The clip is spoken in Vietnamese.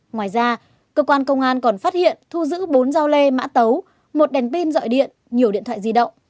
ngoài ra cơ quan công an còn phát hiện thu giữ bốn dao lê mã tấu một đèn pin d gọi điện nhiều điện thoại di động